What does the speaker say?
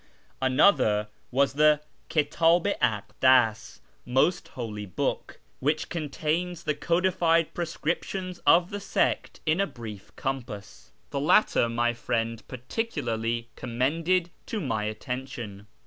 Another was the Kitdh i AMas (" Most Holy Book"), which contains the codified prescriptions of the sect in a brief compass. The latter my friend particu larly commended to my attention.